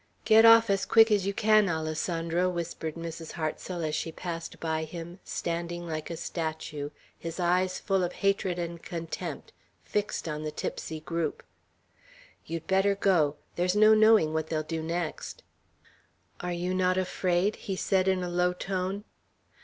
"Get off as quick as you can, Alessandro," whispered Mrs. Hartsel, as she passed by him, standing like a statue, his eyes, full of hatred and contempt, fixed on the tipsy group. "You'd better go. There's no knowing what they'll do next." "Are you not afraid?" he said in a low tone.